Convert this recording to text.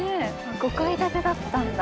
５階建てだったんだ。